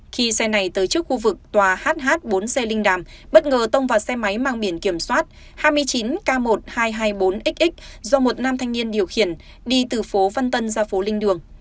khi xe này tới trước khu vực tòa hh bốn c linh đàm bất ngờ tông vào xe máy mang biển kiểm soát hai mươi chín k một nghìn hai trăm hai mươi bốn x do một nam thanh niên điều khiển đi từ phố văn tân ra phố linh đường